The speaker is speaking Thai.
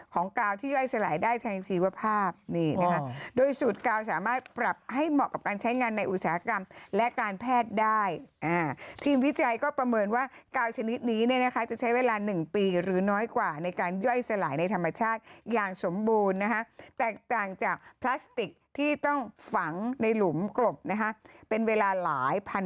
กาวที่ย่อยสลายได้ทางชีวภาพนี่นะคะโดยสูตรกาวสามารถปรับให้เหมาะกับการใช้งานในอุตสาหกรรมและการแพทย์ได้ทีมวิจัยก็ประเมินว่ากาวชนิดนี้เนี่ยนะคะจะใช้เวลา๑ปีหรือน้อยกว่าในการย่อยสลายในธรรมชาติอย่างสมบูรณ์นะคะแตกต่างจากพลาสติกที่ต้องฝังในหลุมกลบนะคะเป็นเวลาหลายพัน